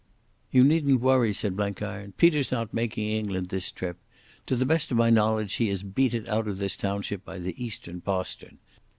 "You needn't worry," said Blenkiron. "Peter's not making England this trip. To the best of my knowledge he has beat it out of this township by the eastern postern.